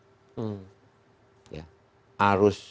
terutama kalau kita menjaga sumut